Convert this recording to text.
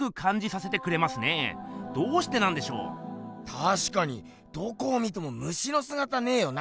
たしかにどこを見てもムシの姿ねぇよな。